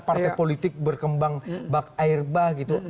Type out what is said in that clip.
partai politik berkembang bak air bah gitu